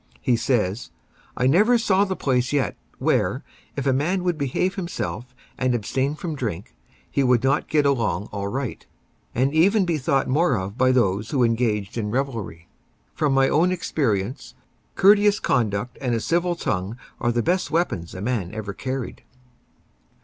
He says: "I never saw the place yet where, if a man would behave himself and abstain from drink, he would not get along all right, and even be thought more of by those who engaged in revelry. From my own experience, courteous conduct and a civil tongue are the best weapons a man ever carried."